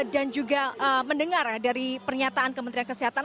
dan juga mendengar dari pernyataan kementerian kesehatan